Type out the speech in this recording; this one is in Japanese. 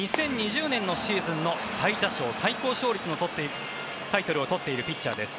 ２０２０年のシーズンの最多勝、最高勝率のタイトルを取っているピッチャーです。